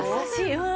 うん。